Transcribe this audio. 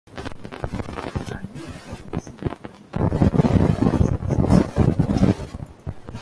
窄叶火筒树为葡萄科火筒树属下的一个种。